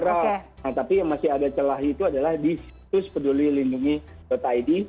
nah tapi yang masih ada celah itu adalah di situs peduli lindungi id